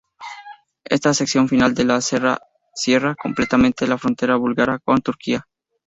Esta sección final de la cerca cierra completamente la frontera búlgara con Turquía.